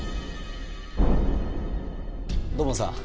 土門さん